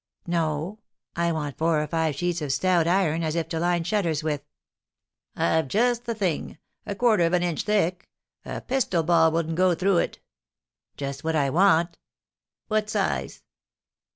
"No, I want four or five sheets of stout iron, as if to line shutters with." "I've just the thing, a quarter of an inch thick; a pistol ball wouldn't go through it." "Just what I want." "What size?"